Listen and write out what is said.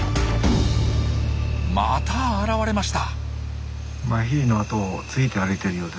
また現れました！